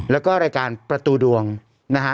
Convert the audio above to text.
แล้วก็รายการประตูดวงนะฮะ